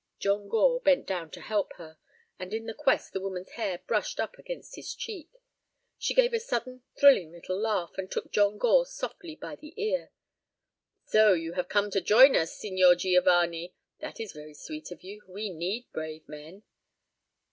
John Gore bent down to help her. And in the quest the woman's hair brushed up against his cheek. She gave a sudden, thrilling little laugh, and took John Gore softly by the ear. "So you have come to join us, Signor Giovanni? That is very sweet of you. We need brave men."